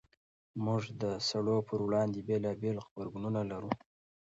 موږ د سړو پر وړاندې بېلابېل غبرګونونه لرو.